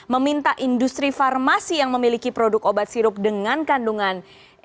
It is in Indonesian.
meminta industri farmasi yang memiliki produk obat sirup dengan kandungan eg dan deg melaporkan hasil uji laboratorium